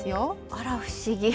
あら不思議。